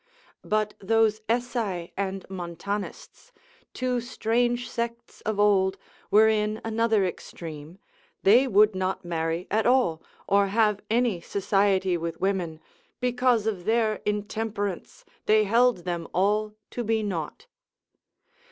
But those Esai and Montanists, two strange sects of old, were in another extreme, they would not marry at all, or have any society with women, because of their intemperance they held them all to be naught.